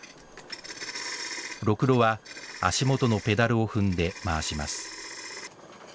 ろくろは足元のペダルを踏んで回します